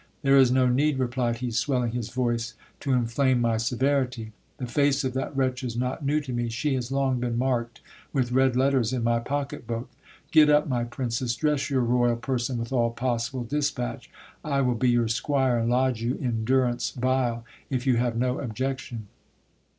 There is no need, replied he, swelling his voice, to inflame my severity. The face of that wretch is not new to me : she has long been marked with red letters in my pocket book. Get up, my princess, dress your royal person with all possible dispatch. I will be your squire, and lodge you in dur ance vile, if you have no objection.